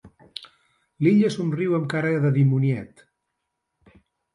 L'Illa somriu amb cara de dimoniet.